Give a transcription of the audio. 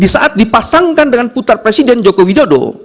di saat dipasangkan dengan putar presiden joko widodo